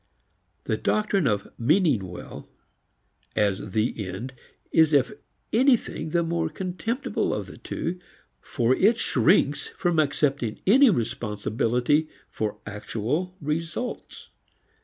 The doctrine of meaning well as the end is if anything the more contemptible of the two, for it shrinks from accepting any responsibility for actual results.